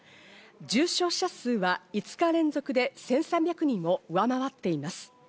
重症者数は５日連続で１３００人を上回っています。